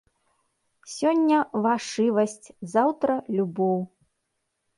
Сёння вашывасць, заўтра любоў.